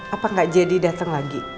apa gak jadi datang lagi